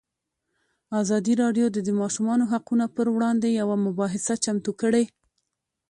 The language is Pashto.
ازادي راډیو د د ماشومانو حقونه پر وړاندې یوه مباحثه چمتو کړې.